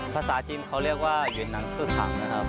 ภาษาจีนเขาเรียกว่ายืนหนังสุทังนะครับ